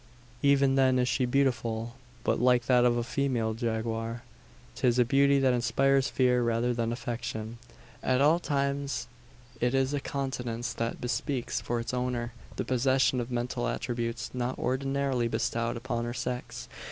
Even then is she beautiful; but, like that of the female jaguar, 'tis a beauty that inspires fear rather than affection. At all times it is a countenance that bespeaks for its owner the possession of mental attributes not ordinarily bestowed upon her sex.